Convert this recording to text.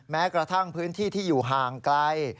แม้กระทั่งพื้นที่ที่อยู่ห่างไกล